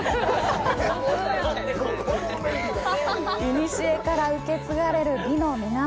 いにしえから受け継がれる美の源。